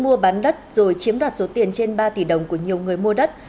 mua bán đất rồi chiếm đoạt số tiền trên ba tỷ đồng của nhiều người mua đất